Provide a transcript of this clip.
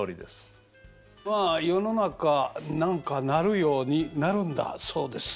まあ世の中何かなるようになるんだそうです。